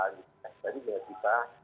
jadi saya pikir